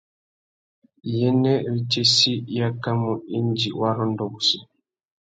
Iyênêritsessi i akamú indi wa rôndô wussi.